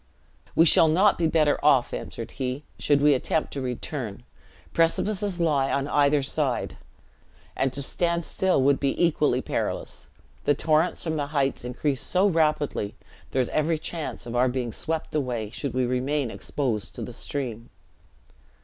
"We shall not be better off," answered he, "should we attempt to return: precipices lie on either side: and to stand still would be equally perilous: the torrents from the heights increase so rapidly, there is every chance of our being swept away, should we remain exposed to the stream."